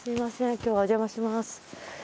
今日はお邪魔します。